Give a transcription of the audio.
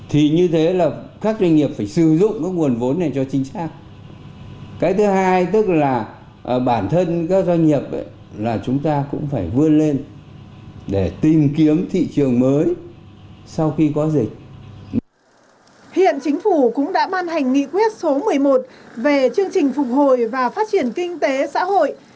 hiện chính phủ cũng đã ban hành nghị quyết số một mươi một về chương trình phục hồi và phát triển kinh tế xã hội